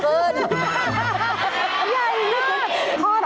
ใหญ่เยอะจริง